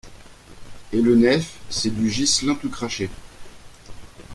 Et le Nehf, c’est du Ghislain tout craché…